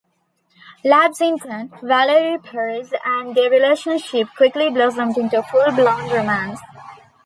Labs intern, Valerie Perez, and their relationship quickly blossomed into a full-blown romance.